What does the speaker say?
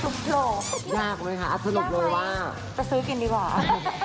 หนักไหมคะสนุกเลยว่าโอเคไปซื้อกินดีกว่า